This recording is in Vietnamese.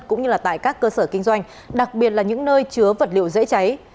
cũng như tại các cơ sở kinh doanh đặc biệt là những nơi chứa vật liệu dễ cháy